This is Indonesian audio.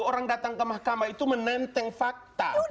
orang datang ke mahkamah itu menenteng fakta